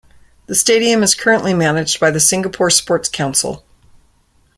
The stadium is currently managed by the Singapore Sports Council.